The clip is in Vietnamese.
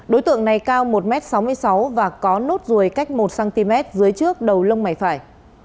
đối tượng này cao một m sáu mươi sáu và có nốt ruồi cách một cm dưới trước đầu lông mày phải